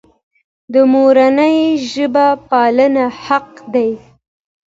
د مورنۍ ژبې پالنه حق دی.